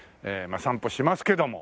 散歩しますけども。